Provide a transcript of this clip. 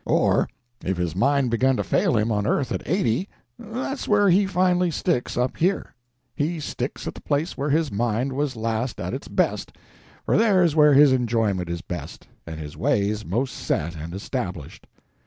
Or, if his mind begun to fail him on earth at eighty, that's where he finally sticks up here. He sticks at the place where his mind was last at its best, for there's where his enjoyment is best, and his ways most set and established."